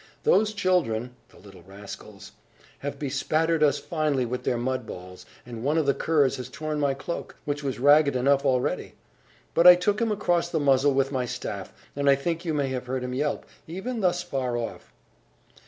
Those children (the little rascals!) have bespattered us finely with their mud balls; and one of the curs has torn my cloak, which was ragged enough already. But I took him across the muzzle with my staff; and I think you may have heard him yelp, even thus far off."